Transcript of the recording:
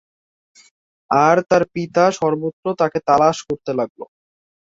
আর তার পিতা সর্বত্র তাকে তালাশ করতে লাগল।